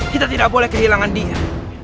kita tidak boleh kehilangan dia